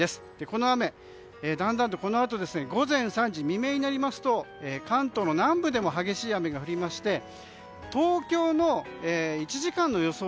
この雨、だんだんとこのあと午前３時、未明になりますと関東の南部でも激しい雨が降りまして東京の１時間の予想